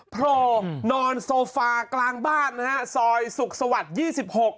โผล่นอนโซฟากลางบ้านนะฮะซอยสุขสวรรค์ยี่สิบหก